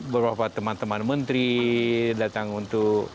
beberapa teman teman menteri datang untuk